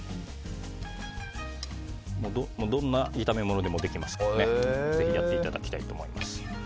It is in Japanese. どんな炒め物でもできますからぜひやっていただきたいと思います。